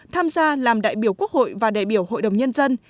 tham gia làm đại biểu quốc hội và đại biểu hội đồng nhân dân